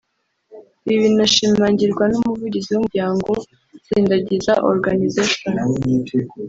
Ibi binashimangirwa n’Umuvugizi w’ Umuryango “Nsindagiza Organisation”